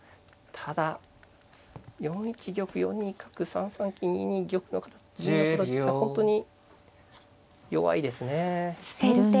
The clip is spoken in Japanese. ただ４一玉４二角３三金２二銀の形が本当に弱いですね。